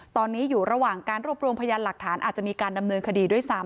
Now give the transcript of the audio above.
ตอนนี้อยู่ระหว่างการรวบรวมพยานหลักฐานอาจจะมีการดำเนินคดีด้วยซ้ำ